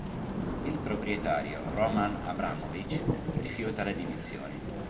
Il proprietario Roman Abramovič rifiuta le dimissioni.